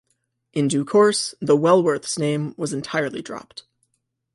In due course, the Wellworths name was entirely dropped.